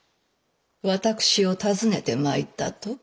私を訪ねてまいったと？